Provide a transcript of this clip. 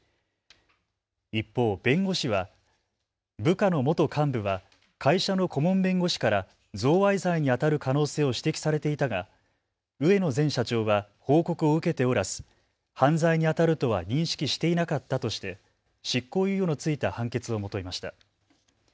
一方、弁護士は部下の元幹部は会社の顧問弁護士から贈賄罪にあたる可能性を指摘されていたが植野前社長は報告を受けておらず犯罪にあたるとは認識していなかったとして執行猶予の付いた判決を求めました。